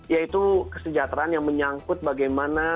yaitu kesejahteraan yang menyangkut bagaimana